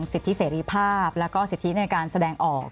สิทธิเสรีภาพแล้วก็สิทธิในการแสดงออก